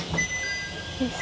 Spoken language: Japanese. よし。